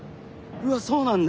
うわそうなんだ。